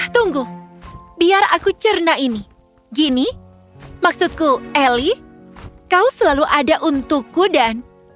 tunggu biar aku cerna ini gini maksudku ellie kau selalu ada untukku dan aku akan selalu benar benar benar